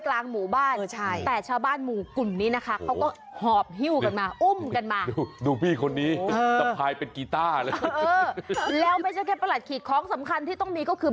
ครั้งนั้นไม่ได้มาแต่ประหลัดอย่างเดียว